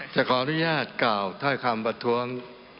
จะขออนุญาตกล่าวถ้อยคำประท้วง